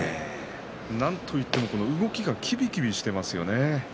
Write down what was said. なんといっても動きがきびきびしてますね。